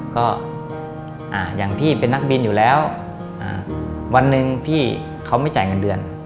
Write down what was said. ก็อย่างพี่เป็นนักบินอยู่แล้ววันหนึ่งพี่เขาไม่จ่ายเงินเดือน